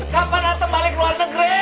kapan atam balik luar negeri